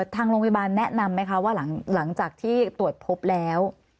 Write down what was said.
ทางโรงพยาบาลแนะนำไหมคะว่าหลังจากที่ตรวจพบแล้ว